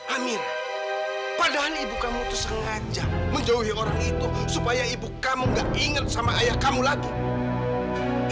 amin padahal ibu kamu itu sengaja menjauhi orang itu supaya ibu kamu gak ingat sama ayah kamu lagi